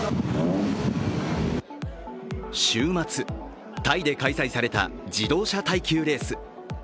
週末、タイで開催された自動車耐久レース。